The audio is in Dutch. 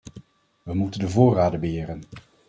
We moeten de voorraden beheren.